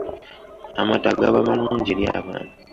Amata gaba malungi eri abaana.